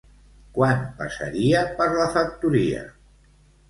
Quan passaria per la factoria?